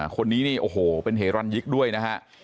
คนนี้นี่โอ้โหเป็นเหรันยิกด้วยนะฮะ